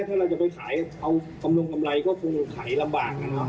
ถ้าเราจะไปขายออกกำลังคำไรก็คงขายลำบาก